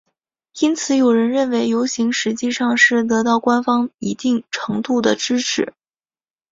因而有人认为游行实际上是得到官方一定程度的支持。